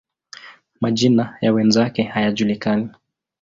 Majina ya wenzake hayajulikani.